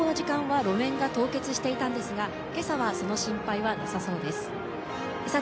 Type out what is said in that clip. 昨日のこの時間は路面が凍結していたんですが今朝はその心配はなさそうです。